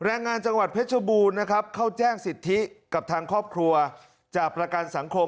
แรงงานจังหวัดเพชรบูรณ์นะครับเข้าแจ้งสิทธิกับทางครอบครัวจากประกันสังคม